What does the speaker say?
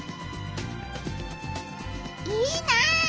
いいなあ！